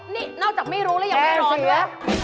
นี่นอกจากไม่รู้แล้วยังไม่รออีกแล้ว